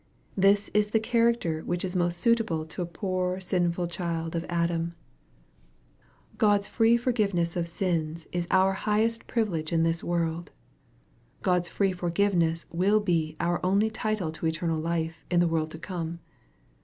This is the character which is most suitable to a poor sinful child of Adam. God's free forgiveness of sins MAEK, CHAP. XI. 241 is our highest privilege in this world. God's free for giveness will be our only title to eternal life in the world to come.